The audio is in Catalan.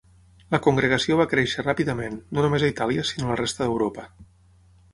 La congregació va créixer ràpidament, no només a Itàlia, sinó a la resta d'Europa.